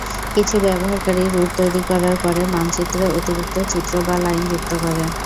কিছু ব্যবহারকারী রুট তৈরি করার পরে মানচিত্রে অতিরিক্ত চিত্র বা লাইন যুক্ত করে।